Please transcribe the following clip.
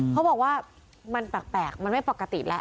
เขาบอกว่ามันแปลกมันไม่ปกติแล้ว